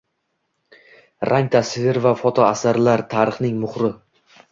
Rang-tasvir va foto asarlar — tarixning muhri